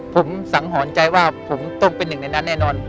ผมสังหรณ์ใจว่าผมต้องเป็นหนึ่งในนั้นแน่นอน